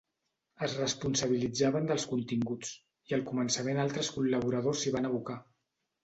Es responsabilitzaven dels continguts, i al començament altres col·laboradors s'hi van abocar.